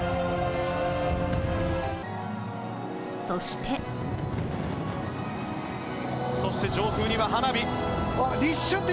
そして上空には花火。